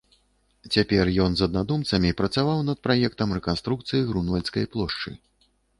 Цяпер ён з аднадумцамі працаваў над праектам рэканструкцыі Грунвальдскай плошчы.